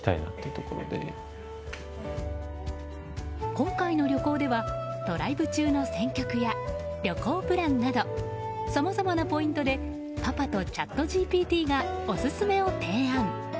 今回の旅行ではドライブ中の選曲や旅行プランなどさまざまなポイントでパパとチャットＧＰＴがオススメを提案。